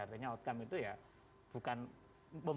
artinya outcome itu ya bukan